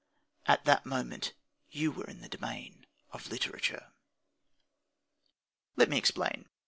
At that moment you were in the domain of literature. Let me explain.